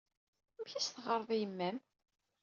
Amek ay as-teɣɣared i yemma-m?